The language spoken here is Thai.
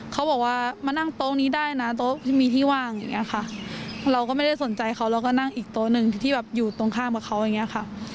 เขาบอกว่ามานั่งโต๊ะนี้ได้นะโต๊ะที่มีที่ว่างอย่างเงี้ยค่ะเราก็ไม่ได้สนใจเขาเราก็นั่งอีกโต๊ะหนึ่งที่แบบอยู่ตรงข้ามกับเขาอย่างเงี้ยค่ะ